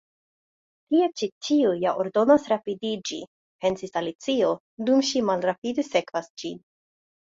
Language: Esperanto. "Tie ĉi ĉiu ja ordonas rapidiĝi," pensis Alicio, dum ŝi malrapide sekvas ĝin.